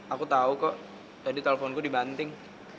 aku tahu kok jadi teleponku dibanting